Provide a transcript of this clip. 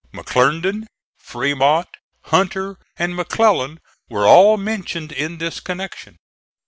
McClernand, Fremont, Hunter and McClellan were all mentioned in this connection.